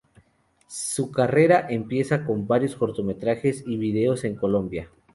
Su carrera empieza con varios cortometrajes y videos en Colombia.